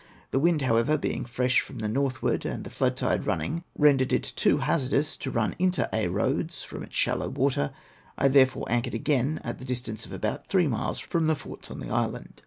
The wind, how ever, being fresh from the northward, and the flood tide running, rendered it too hazardous to riui into Aix Roads (from its shallow water), I therefore anchored again at the distance of about three miles from the forts on the island.